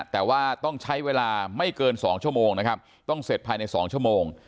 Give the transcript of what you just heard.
แต่ว่าต้องใช้เวลาไม่เกิน๒ชั่วโมงนะครับต้องเสร็จภายใน๒ชั่วโมง